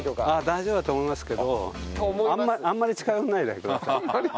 大丈夫だと思いますけど。